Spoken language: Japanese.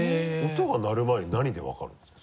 音が鳴る前に何で分かるんですか？